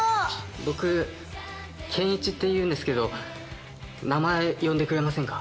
僕ケンイチっていうんですけど名前呼んでくれませんか？